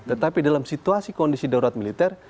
tetapi dalam situasi kondisi daurat militer